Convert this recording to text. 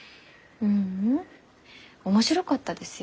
ううん。面白かったですよ。